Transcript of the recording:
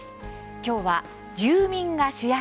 きょうは「住民が主役！